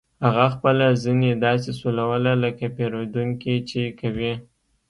هغه خپله زنې داسې سولوله لکه پیرودونکي چې کوي